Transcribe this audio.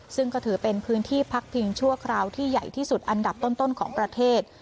ซึ่งก็ถือเป็นพื้นที่พักพิงชั่วคราวที่ใหญ่ที่สุดอันดับต้นของประเทศ